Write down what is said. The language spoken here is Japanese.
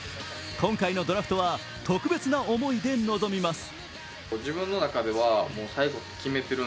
今回のドラフトは特別な思いで臨みます。